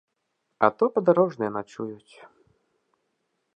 А то падарожныя начуюць.